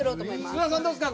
菅田さんどうですか？